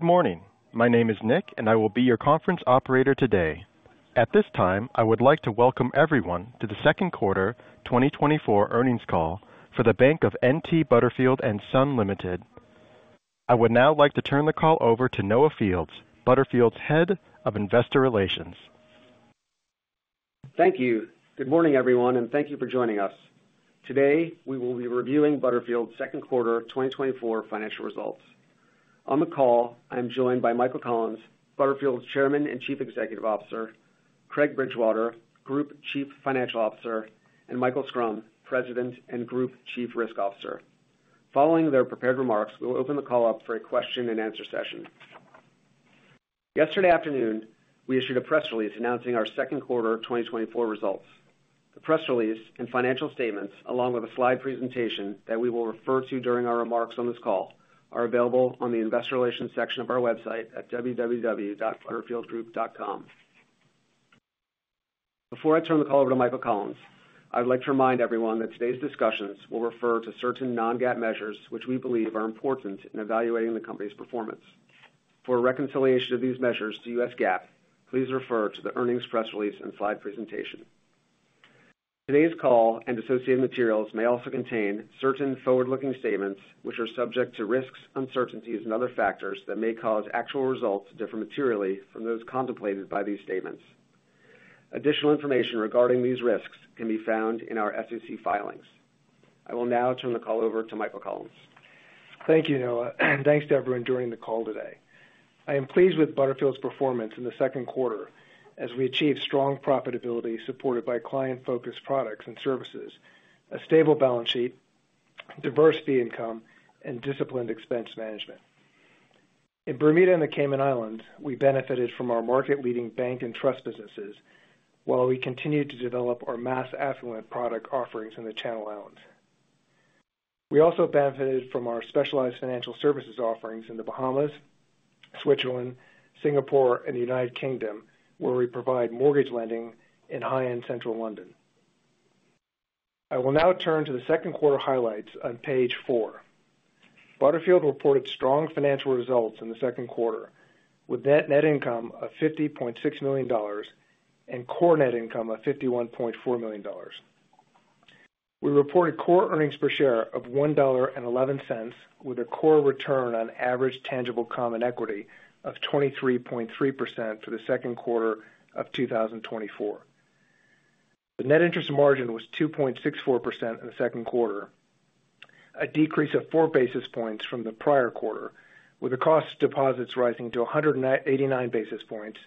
Good morning. My name is Nick, and I will be your conference operator today. At this time, I would like to welcome everyone to the Second Quarter 2024 Earnings Call for the Bank of N.T. Butterfield & Son Limited. I would now like to turn the call over to Noah Fields, Butterfield's Head of Investor Relations. Thank you. Good morning, everyone, and thank you for joining us. Today, we will be reviewing Butterfield's second quarter 2024 financial results. On the call, I'm joined by Michael Collins, Butterfield's Chairman and Chief Executive Officer, Craig Bridgewater, Group Chief Financial Officer, and Michael Schrum, President and Group Chief Risk Officer. Following their prepared remarks, we will open the call up for a question-and-answer session. Yesterday afternoon, we issued a press release announcing our second quarter of 2024 results. The press release and financial statements, along with a slide presentation that we will refer to during our remarks on this call, are available on the Investor Relations section of our website at www.butterfieldgroup.com. Before I turn the call over to Michael Collins, I'd like to remind everyone that today's discussions will refer to certain non-GAAP measures, which we believe are important in evaluating the company's performance. For a reconciliation of these measures to U.S. GAAP, please refer to the earnings press release and slide presentation. Today's call and associated materials may also contain certain forward-looking statements, which are subject to risks, uncertainties and other factors that may cause actual results to differ materially from those contemplated by these statements. Additional information regarding these risks can be found in our SEC filings. I will now turn the call over to Michael Collins. Thank you, Noah, and thanks to everyone during the call today. I am pleased with Butterfield's performance in the second quarter as we achieved strong profitability supported by client-focused products and services, a stable balance sheet, diversified income, and disciplined expense management. In Bermuda and the Cayman Islands, we benefited from our market-leading bank and trust businesses, while we continued to develop our mass affluent product offerings in the Channel Islands. We also benefited from our specialized financial services offerings in the Bahamas, Switzerland, Singapore, and the United Kingdom, where we provide mortgage lending in high-end central London. I will now turn to the second quarter highlights on page four. Butterfield reported strong financial results in the second quarter, with net income of $50.6 million and core net income of $51.4 million. We reported core earnings per share of $1.11, with a core return on average tangible common equity of 23.3% for the second quarter of 2024. The net interest margin was 2.64% in the second quarter, a decrease of four basis points from the prior quarter, with the cost of deposits rising to 189 basis points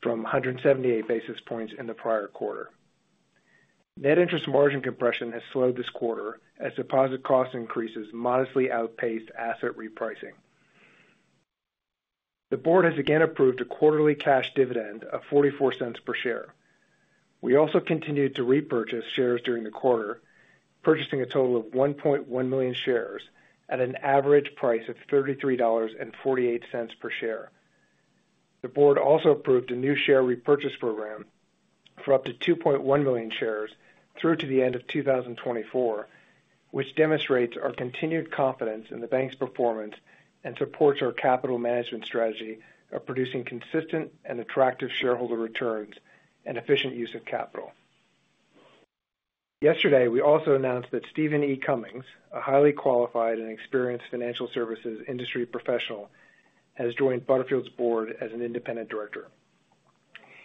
from 178 basis points in the prior quarter. Net interest margin compression has slowed this quarter as deposit cost increases modestly outpaced asset repricing. The board has again approved a quarterly cash dividend of $0.44 per share. We also continued to repurchase shares during the quarter, purchasing a total of 1.1 million shares at an average price of $33.48 per share. The board also approved a new share repurchase program for up to 2.1 million shares through to the end of 2024, which demonstrates our continued confidence in the bank's performance and supports our capital management strategy of producing consistent and attractive shareholder returns and efficient use of capital. Yesterday, we also announced that Stephen E. Cummings, a highly qualified and experienced financial services industry professional, has joined Butterfield's board as an independent director.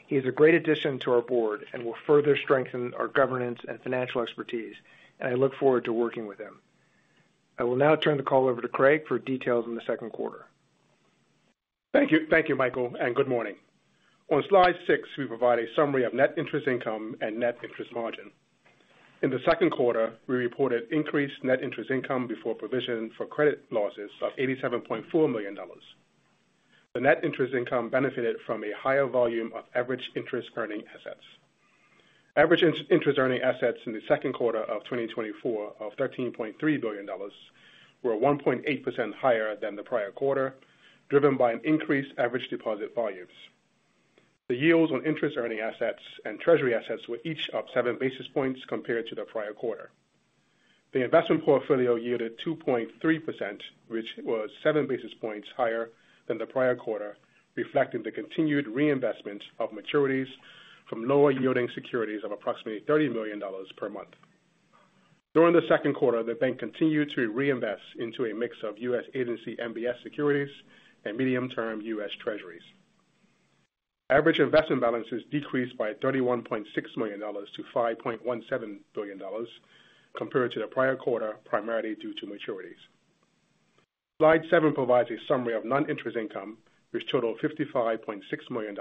He is a great addition to our board and will further strengthen our governance and financial expertise, and I look forward to working with him. I will now turn the call over to Craig for details on the second quarter. Thank you. Thank you, Michael, and good morning. On slide six, we provide a summary of net interest income and net interest margin. In the second quarter, we reported increased net interest income before provision for credit losses of $87.4 million. The net interest income benefited from a higher volume of average interest-earning assets. Average interest-earning assets in the second quarter of 2024 of $13.3 billion were 1.8% higher than the prior quarter, driven by an increased average deposit volumes. The yields on interest-earning assets and Treasury assets were each up seven basis points compared to the prior quarter. The investment portfolio yielded 2.3%, which was seven basis points higher than the prior quarter, reflecting the continued reinvestment of maturities from lower-yielding securities of approximately $30 million per month. During the second quarter, the bank continued to reinvest into a mix of U.S. Agency MBS securities and medium-term U.S. Treasuries. Average investment balances decreased by $31.6 million to $5.17 billion compared to the prior quarter, primarily due to maturities. Slide 7 provides a summary of non-interest income, which totaled $55.6 million,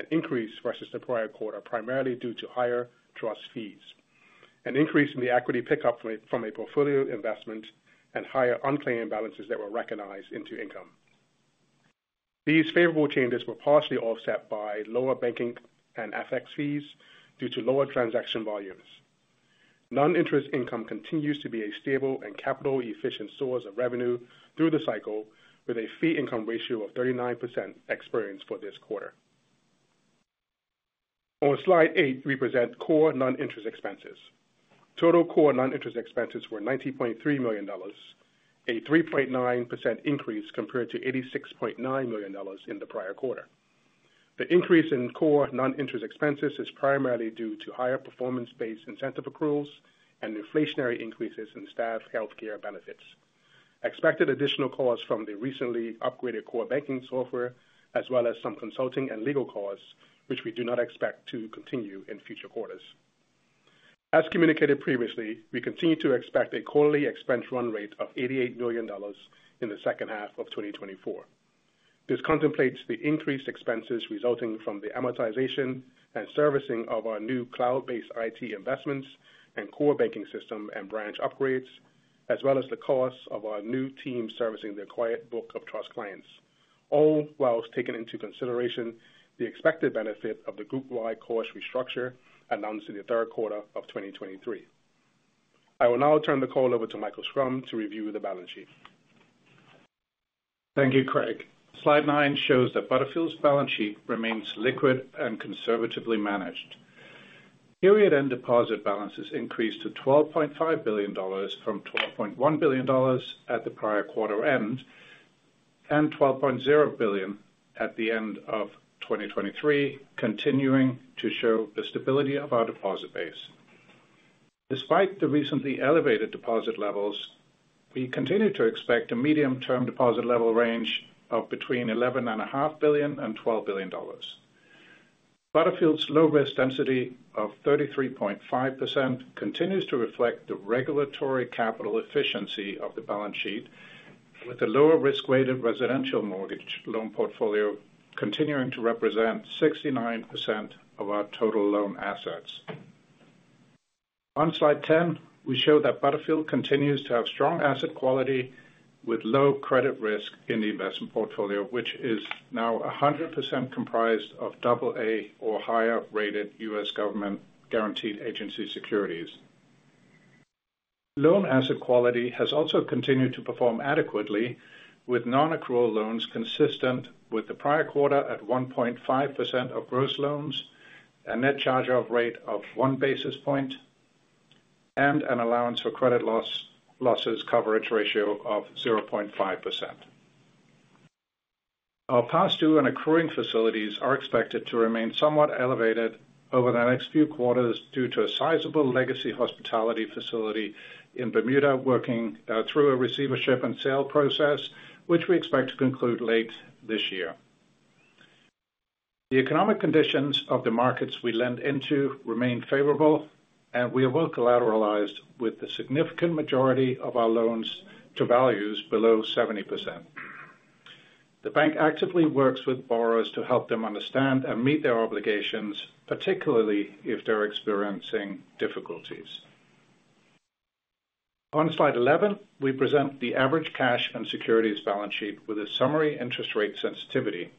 an increase versus the prior quarter, primarily due to higher trust fees, an increase in the equity pickup from a portfolio investment, and higher unclaimed balances that were recognized into income. These favorable changes were partially offset by lower banking and FX fees due to lower transaction volumes. Non-interest income continues to be a stable and capital-efficient source of revenue through the cycle, with a fee income ratio of 39% experienced for this quarter.... On Slide 8, we present core non-interest expenses. Total core non-interest expenses were $90.3 million, a 3.9% increase compared to $86.9 million in the prior quarter. The increase in core non-interest expenses is primarily due to higher performance-based incentive accruals and inflationary increases in staff health care benefits. Expected additional costs from the recently upgraded core banking software, as well as some consulting and legal costs, which we do not expect to continue in future quarters. As communicated previously, we continue to expect a quarterly expense run rate of $88 million in the second half of 2024. This contemplates the increased expenses resulting from the amortization and servicing of our new cloud-based IT investments and core banking system and branch upgrades, as well as the cost of our new team servicing the acquired book of trust clients, all while taking into consideration the expected benefit of the group-wide cost restructure announced in the third quarter of 2023. I will now turn the call over to Michael Schrum to review the balance sheet. Thank you, Craig. Slide 9 shows that Butterfield's balance sheet remains liquid and conservatively managed. Period end deposit balances increased to $12.5 billion from $12.1 billion at the prior quarter end, and $12.0 billion at the end of 2023, continuing to show the stability of our deposit base. Despite the recently elevated deposit levels, we continue to expect a medium-term deposit level range of between $11.5 billion and $12 billion. Butterfield's low risk density of 33.5% continues to reflect the regulatory capital efficiency of the balance sheet, with a lower risk-weighted residential mortgage loan portfolio continuing to represent 69% of our total loan assets. On Slide 10, we show that Butterfield continues to have strong asset quality with low credit risk in the investment portfolio, which is now 100% comprised of double A or higher-rated U.S. government guaranteed Agency securities. Loan asset quality has also continued to perform adequately, with non-accrual loans consistent with the prior quarter at 1.5% of gross loans, a net charge-off rate of 1 basis point, and an allowance for credit losses coverage ratio of 0.5%. Our past due and accruing facilities are expected to remain somewhat elevated over the next few quarters due to a sizable legacy hospitality facility in Bermuda, working through a receivership and sale process, which we expect to conclude late this year. The economic conditions of the markets we lend into remain favorable, and we are well collateralized with the significant majority of our loans to values below 70%. The bank actively works with borrowers to help them understand and meet their obligations, particularly if they're experiencing difficulties. On Slide 11, we present the average cash and securities balance sheet with a summary interest rate sensitivity.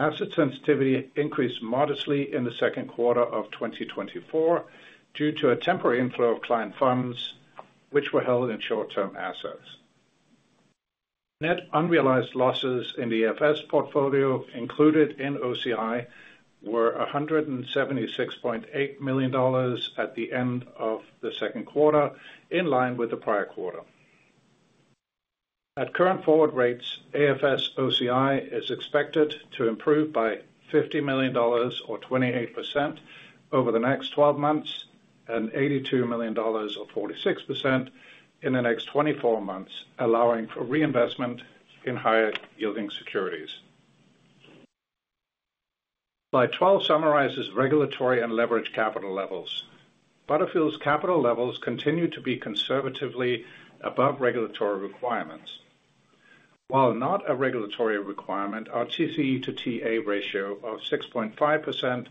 Asset sensitivity increased modestly in the second quarter of 2024 due to a temporary inflow of client funds, which were held in short-term assets. Net unrealized losses in the AFS portfolio, included in OCI, were $176.8 million at the end of the second quarter, in line with the prior quarter. At current forward rates, AFS OCI is expected to improve by $50 million or 28% over the next 12 months, and $82 million or 46% in the next 24 months, allowing for reinvestment in higher yielding securities. Slide 12 summarizes regulatory and leverage capital levels. Butterfield's capital levels continue to be conservatively above regulatory requirements. While not a regulatory requirement, our TCE to TA ratio of 6.5%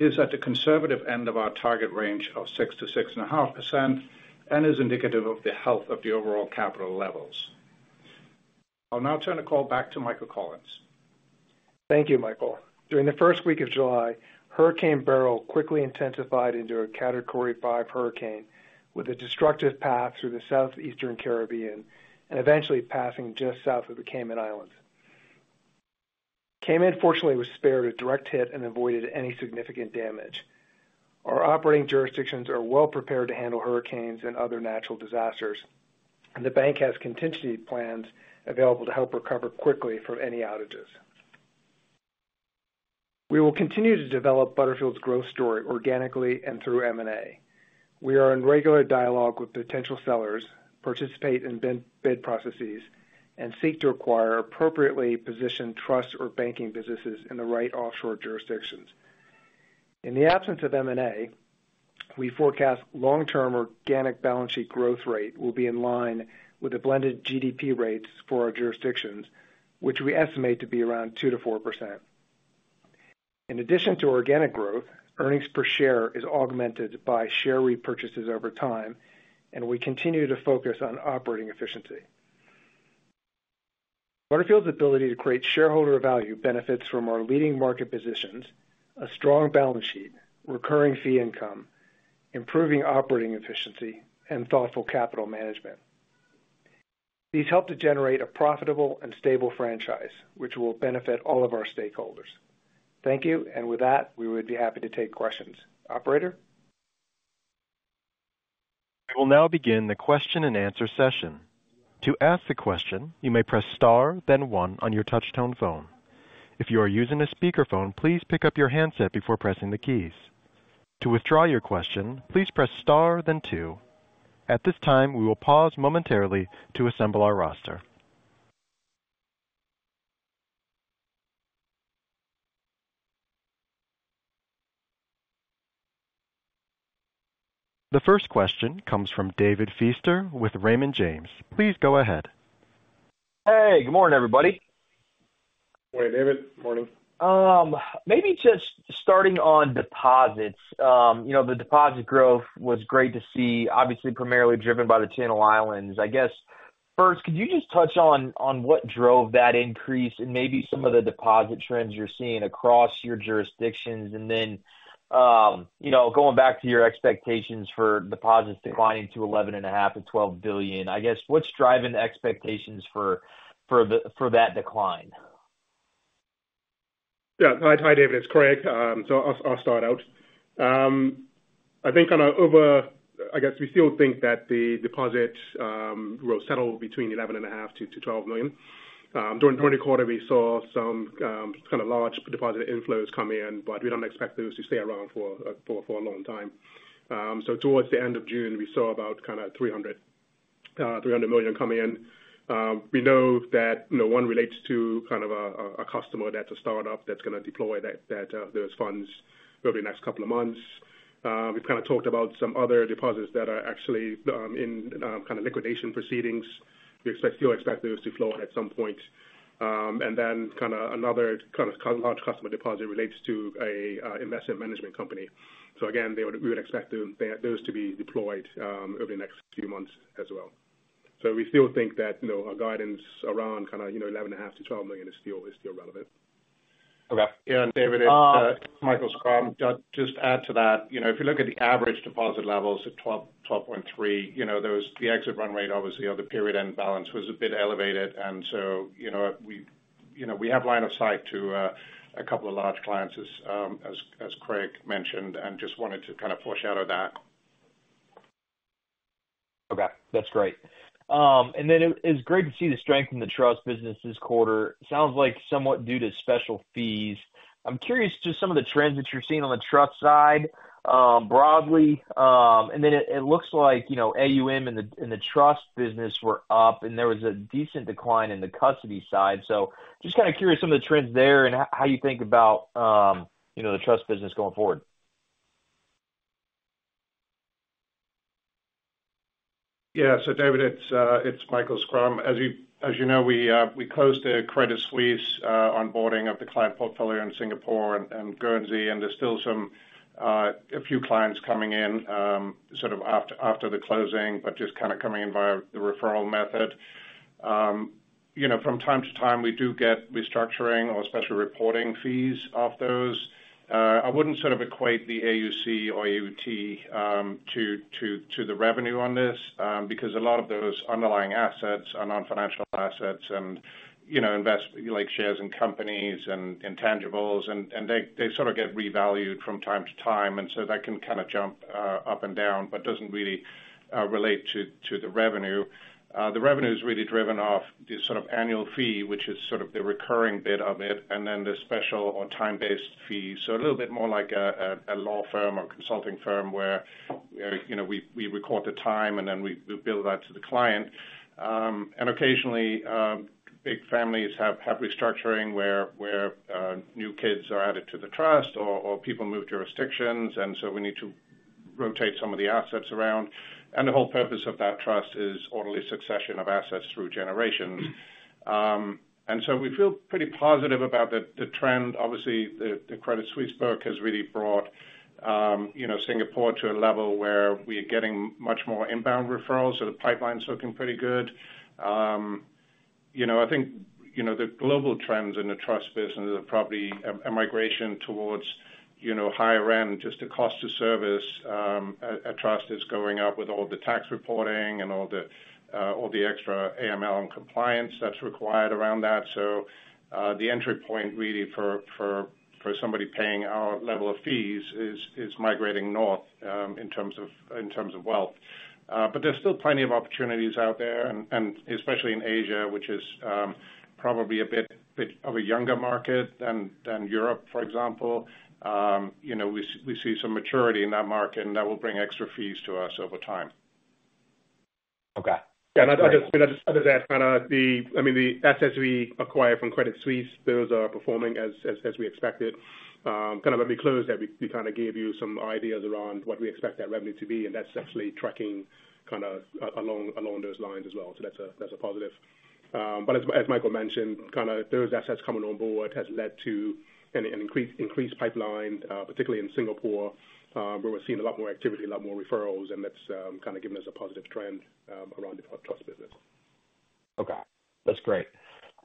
is at the conservative end of our target range of 6%-6.5% and is indicative of the health of the overall capital levels. I'll now turn the call back to Michael Collins. Thank you, Michael. During the first week of July, Hurricane Beryl quickly intensified into a Category 5 hurricane with a destructive path through the southeastern Caribbean and eventually passing just south of the Cayman Islands. Cayman, fortunately, was spared a direct hit and avoided any significant damage. Our operating jurisdictions are well prepared to handle hurricanes and other natural disasters. The bank has contingency plans available to help recover quickly from any outages. We will continue to develop Butterfield's growth story organically and through M&A. We are in regular dialogue with potential sellers, participate in bid processes, and seek to acquire appropriately positioned trust or banking businesses in the right offshore jurisdictions. In the absence of M&A, we forecast long-term organic balance sheet growth rate will be in line with the blended GDP rates for our jurisdictions, which we estimate to be around 2%-4%. In addition to organic growth, earnings per share is augmented by share repurchases over time, and we continue to focus on operating efficiency. Butterfield's ability to create shareholder value benefits from our leading market positions, a strong balance sheet, recurring fee income, improving operating efficiency, and thoughtful capital management.... These help to generate a profitable and stable franchise, which will benefit all of our stakeholders. Thank you. With that, we would be happy to take questions. Operator? We will now begin the question and answer session. To ask the question, you may press star, then one on your touchtone phone. If you are using a speakerphone, please pick up your handset before pressing the keys. To withdraw your question, please press star, then two. At this time, we will pause momentarily to assemble our roster. The first question comes from David Feaster with Raymond James. Please go ahead. Hey, good morning, everybody. Good morning, David. Morning. Maybe just starting on deposits. You know, the deposit growth was great to see, obviously primarily driven by the Channel Islands. I guess, first, could you just touch on what drove that increase and maybe some of the deposit trends you're seeing across your jurisdictions? And then, you know, going back to your expectations for deposits declining to $11.5 billion-$12 billion, I guess, what's driving the expectations for that decline? Yeah. Hi, David, it's Craig. So I'll start out. I think kind of over—I guess we still think that the deposit will settle between $11.5 million-$12 million. During the quarter, we saw some kind of large deposit inflows come in, but we don't expect those to stay around for a long time. So towards the end of June, we saw about kind of $300 million come in. We know that no one relates to kind of a customer that's a startup, that's gonna deploy those funds over the next couple of months. We've kind of talked about some other deposits that are actually in kind of liquidation proceedings. We still expect those to flow at some point. And then kind of another kind of large customer deposit relates to a investment management company. So again, they would we would expect them, those to be deployed over the next few months as well. So we still think that, you know, our guidance around kind of, you know, $11.5 million-$12 million is still, is still relevant. Okay. Yeah, and David, it's Michael Schrum. Just add to that. You know, if you look at the average deposit levels of $12.3 billion, you know, those, the exit run rate, obviously, or the period end balance was a bit elevated. And so, you know, we, you know, we have line of sight to a couple of large clients as Craig mentioned, and just wanted to kind of foreshadow that. Okay, that's great. And then it's great to see the strength in the trust business this quarter. Sounds like somewhat due to special fees. I'm curious to some of the trends that you're seeing on the trust side, broadly. And then it looks like, you know, AUM in the trust business were up, and there was a decent decline in the custody side. So just kind of curious some of the trends there and how you think about, you know, the trust business going forward. Yeah. So David, it's Michael Schrum. As you know, we closed a Credit Suisse onboarding of the client portfolio in Singapore and Guernsey, and there's still a few clients coming in sort of after the closing, but just kind of coming in via the referral method. You know, from time to time, we do get restructuring or special reporting fees off those. I wouldn't sort of equate the AUC or AUT to the revenue on this because a lot of those underlying assets are non-financial assets and, you know, investments like shares in companies and intangibles, and they sort of get revalued from time to time, and so that can kind of jump up and down, but doesn't really relate to the revenue. The revenue is really driven off the sort of annual fee, which is sort of the recurring bit of it, and then the special or time-based fee. So a little bit more like a law firm or consulting firm where, you know, we record the time, and then we bill that to the client. And occasionally, big families have restructuring where, new kids are added to the trust or people move jurisdictions, and so we need to rotate some of the assets around. And the whole purpose of that trust is orderly succession of assets through generations. And so we feel pretty positive about the trend. Obviously, the Credit Suisse book has really brought, you know, Singapore to a level where we are getting much more inbound referrals, so the pipeline's looking pretty good. You know, I think, you know, the global trends in the trust business are probably a migration towards, you know, higher end. Just the cost to service a trust is going up with all the tax reporting and all the extra AML and compliance that's required around that. So, the entry point really for somebody paying our level of fees is migrating north, in terms of wealth. But there's still plenty of opportunities out there, and especially in Asia, which is probably a bit of a younger market than Europe, for example. You know, we see some maturity in that market, and that will bring extra fees to us over time. Okay. And I'll just add to that. Kind of, I mean, the assets we acquired from Credit Suisse, those are performing as we expected. Kind of when we closed that, we kind of gave you some ideas around what we expect that revenue to be, and that's actually tracking kind of along those lines as well. So that's a positive. But as Michael mentioned, kind of those assets coming on board has led to an increased pipeline, particularly in Singapore, where we're seeing a lot more activity, a lot more referrals, and that's kind of given us a positive trend around the trust business. Okay... That's great.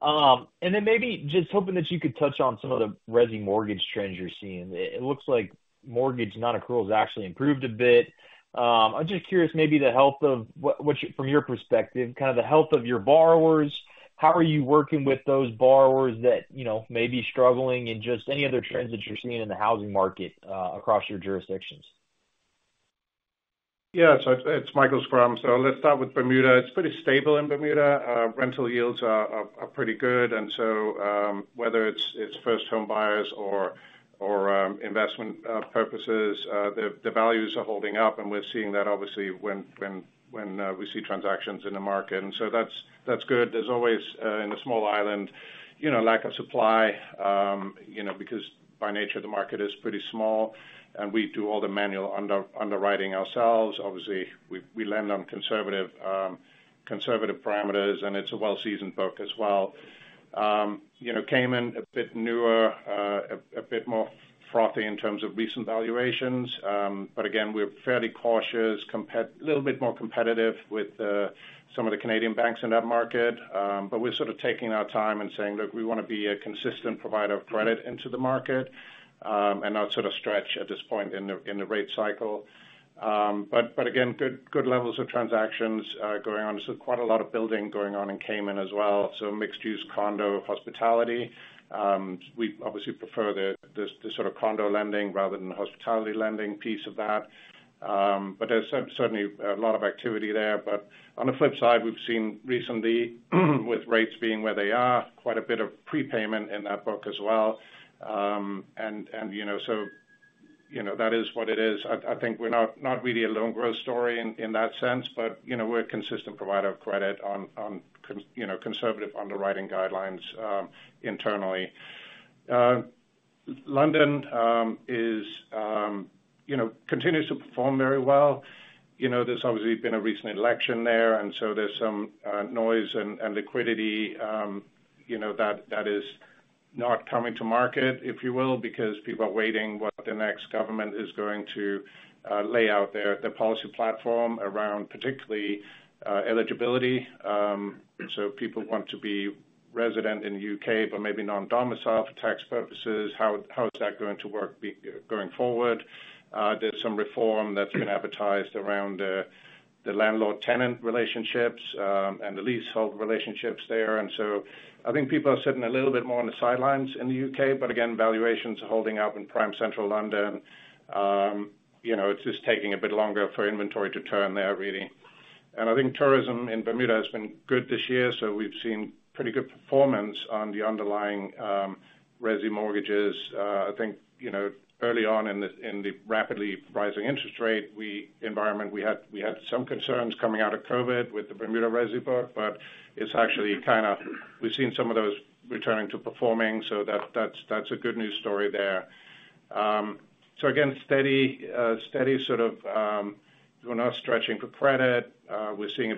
And then maybe just hoping that you could touch on some of the resi mortgage trends you're seeing. It, it looks like mortgage non-accruals actually improved a bit. I'm just curious, maybe the health of what, what you—from your perspective, kind of the health of your borrowers, how are you working with those borrowers that, you know, may be struggling, and just any other trends that you're seeing in the housing market across your jurisdictions? Yeah, so it's Michael Schrum. So let's start with Bermuda. It's pretty stable in Bermuda. Rental yields are pretty good, and so, whether it's first home buyers or investment purposes, the values are holding up, and we're seeing that obviously when we see transactions in the market, and so that's good. There's always, in a small island, you know, lack of supply, you know, because by nature, the market is pretty small, and we do all the manual underwriting ourselves. Obviously, we lend on conservative parameters, and it's a well-seasoned book as well. You know, Cayman, a bit newer, a bit more frothy in terms of recent valuations, but again, we're fairly cautious, little bit more competitive with, some of the Canadian banks in that market. But we're sort of taking our time and saying, "Look, we wanna be a consistent provider of credit into the market, and not sort of stretch at this point in the, in the rate cycle." But again, good levels of transactions, going on. So quite a lot of building going on in Cayman as well, so mixed-use condo, hospitality. We obviously prefer the sort of condo lending rather than the hospitality lending piece of that. But there's certainly a lot of activity there. But on the flip side, we've seen recently, with rates being where they are, quite a bit of prepayment in that book as well. And, you know, so, you know, that is what it is. I think we're not really a loan growth story in that sense, but, you know, we're a consistent provider of credit on conservative underwriting guidelines internally. London, you know, continues to perform very well. You know, there's obviously been a recent election there, and so there's some noise and liquidity, you know, that is not coming to market, if you will, because people are waiting what the next government is going to lay out their policy platform around, particularly eligibility. So people want to be resident in the U.K., but maybe non-domiciled for tax purposes. How is that going to work going forward? There's some reform that's been advertised around the landlord-tenant relationships and the leasehold relationships there, and so I think people are sitting a little bit more on the sidelines in the U.K.. But again, valuations are holding up in Prime Central London. You know, it's just taking a bit longer for inventory to turn there, really. And I think tourism in Bermuda has been good this year, so we've seen pretty good performance on the underlying resi mortgages. I think, you know, early on in the rapidly rising interest rate environment, we had some concerns coming out of COVID with the Bermuda resi book, but it's actually kind of... We've seen some of those returning to performing, so that's a good news story there. So again, steady, sort of, we're not stretching for credit. We're seeing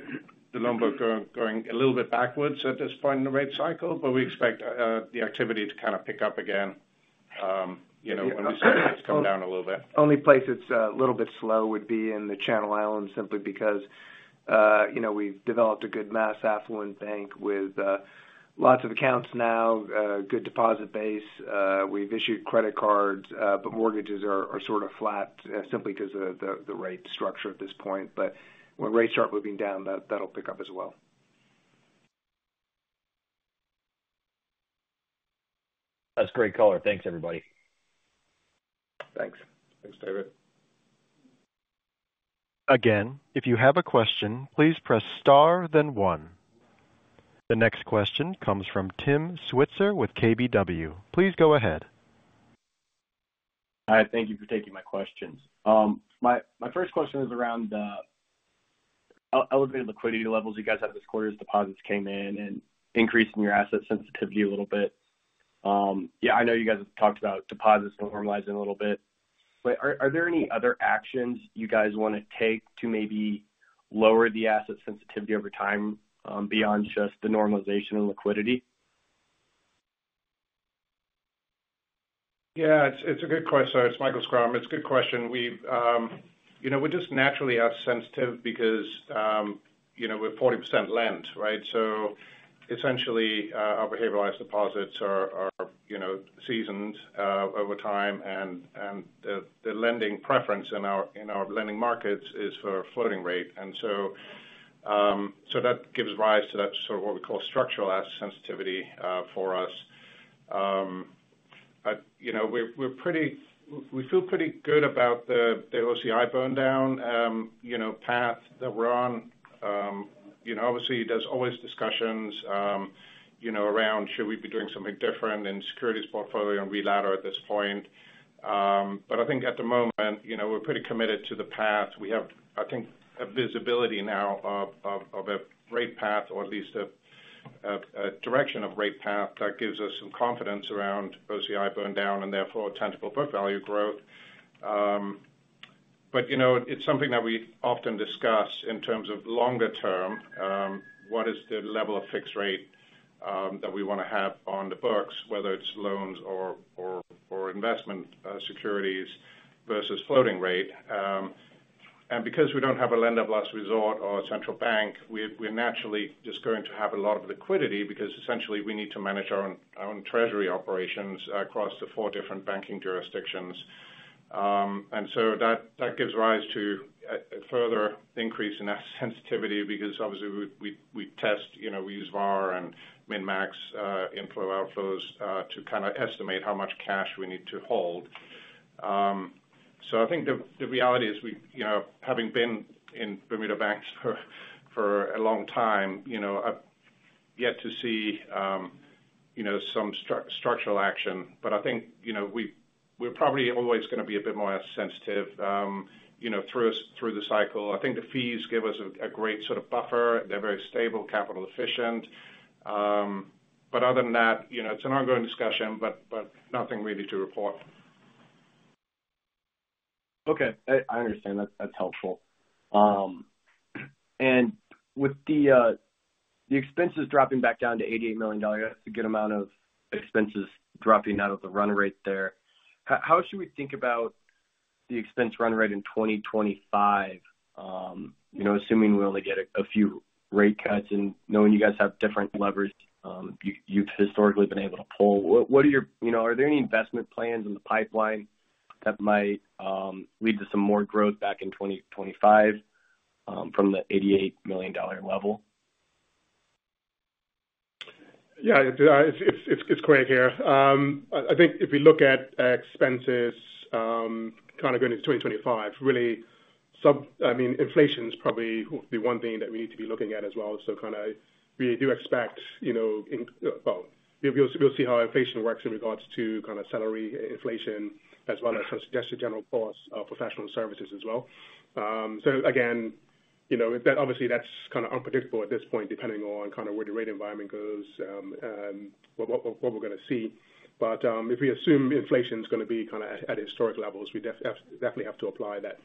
the loan book going a little bit backwards at this point in the rate cycle, but we expect the activity to kind of pick up again, you know, when we see rates come down a little bit. Only place that's a little bit slow would be in the Channel Islands, simply because, you know, we've developed a good mass affluent bank with, lots of accounts now, good deposit base. We've issued credit cards, but mortgages are, are sort of flat, simply because of the, the rate structure at this point. But when rates start moving down, that, that'll pick up as well. That's great color. Thanks, everybody. Thanks. Thanks, David. Again, if you have a question, please press star then one. The next question comes from Tim Switzer with KBW. Please go ahead. Hi, thank you for taking my questions. My first question is around elevated liquidity levels you guys had this quarter as deposits came in and increasing your asset sensitivity a little bit. Yeah, I know you guys have talked about deposits normalizing a little bit, but are there any other actions you guys wanna take to maybe lower the asset sensitivity over time, beyond just the normalization and liquidity? Yeah, it's a good question. It's Michael Schrum. It's a good question. We've, you know, we're just naturally asset sensitive because, you know, we're 40% lent, right? So essentially, our behavioralized deposits are, you know, seasoned over time, and the lending preference in our lending markets is for a floating rate. And so, so that gives rise to that sort of what we call structural asset sensitivity for us. But, you know, we feel pretty good about the OCI burn down, you know, path that we're on. You know, obviously, there's always discussions, you know, around should we be doing something different in the securities portfolio and re-ladder at this point. But I think at the moment, you know, we're pretty committed to the path. We have, I think, a visibility now of a rate path or at least a direction of rate path that gives us some confidence around OCI burn down and therefore tangible book value growth. But, you know, it's something that we often discuss in terms of longer term. What is the level of fixed rate that we wanna have on the books, whether it's loans or investment securities versus floating rate? And because we don't have a lender of last resort or a central bank, we're naturally just going to have a lot of liquidity because essentially we need to manage our own treasury operations across the four different banking jurisdictions. And so that gives rise to a further increase in sensitivity, because obviously, we test, you know, we use VaR and min-max, inflow outflows, to kind of estimate how much cash we need to hold. So I think the reality is we, you know, having been in Bermuda banks for a long time, you know, I've yet to see, you know, some structural action. But I think, you know, we're probably always gonna be a bit more sensitive, you know, through the cycle. I think the fees give us a great sort of buffer. They're very stable, capital efficient. But other than that, you know, it's an ongoing discussion, but nothing really to report. Okay, I, I understand. That's, that's helpful. And with the expenses dropping back down to $88 million, that's a good amount of expenses dropping out of the run rate there. How should we think about the expense run rate in 2025? You know, assuming we only get a few rate cuts and knowing you guys have different levers, you’ve historically been able to pull. What are your... You know, are there any investment plans in the pipeline that might lead to some more growth back in 2025, from the $88 million level? Yeah, it's great to hear. I think if we look at expenses, kind of going into 2025, really, some-- I mean, inflation is probably the one thing that we need to be looking at as well. So kind of we do expect, you know, inc-- well, we'll see how inflation works in regards to kind of salary inflation, as well as suggested general costs of professional services as well. So again, you know, that obviously, that's kind of unpredictable at this point, depending on kind of where the rate environment goes, what we're gonna see. But, if we assume inflation is gonna be kind of at historic levels, we definitely have to apply that.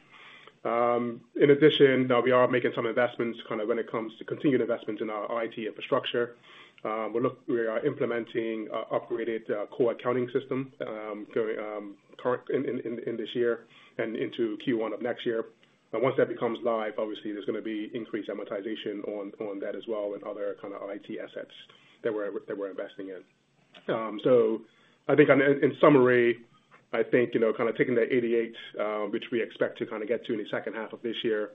In addition, we are making some investments kind of when it comes to continued investments in our IT infrastructure. We are implementing upgraded core accounting system, going current in this year and into Q1 of next year. And once that becomes live, obviously there's gonna be increased amortization on that as well, and other kind of IT assets that we're investing in. So I think in summary, I think, you know, kind of taking that 88, which we expect to kind of get to in the second half of this year,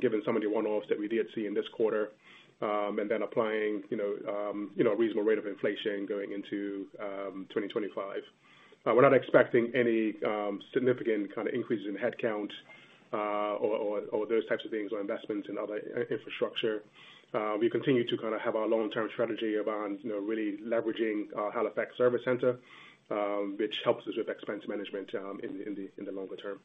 given some of the one-offs that we did see in this quarter, and then applying, you know, a reasonable rate of inflation going into 2025. We're not expecting any significant kind of increases in headcount, or those types of things, or investments in other infrastructure. We continue to kind of have our long-term strategy around, you know, really leveraging our Halifax Service Centre, which helps us with expense management, in the longer term.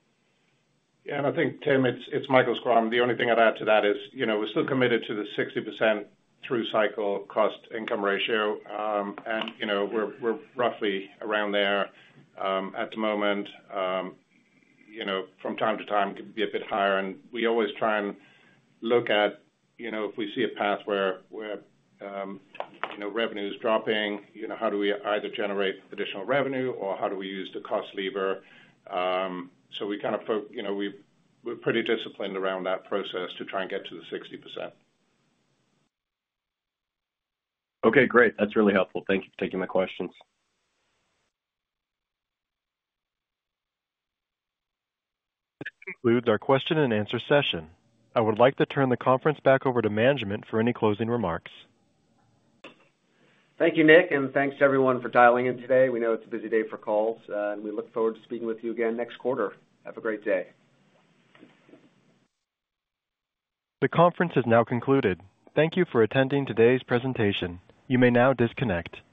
Yeah, and I think, Tim, it's Michael Schrum. The only thing I'd add to that is, you know, we're still committed to the 60% through cycle cost-income ratio. And, you know, we're roughly around there, at the moment. You know, from time to time, could be a bit higher, and we always try and look at, you know, if we see a path where, you know, revenue is dropping, you know, how do we either generate additional revenue or how do we use the cost lever? So we kind of you know, we're pretty disciplined around that process to try and get to the 60%. Okay, great. That's really helpful. Thank you for taking the questions. This concludes our question and answer session. I would like to turn the conference back over to management for any closing remarks. Thank you, Nick, and thanks to everyone for dialing in today. We know it's a busy day for calls, and we look forward to speaking with you again next quarter. Have a great day. The conference is now concluded. Thank you for attending today's presentation. You may now disconnect.